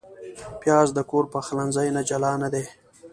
پیاز د کور پخلنځي نه جلا نه دی